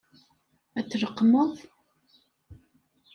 Ad t-tleqqmeḍ?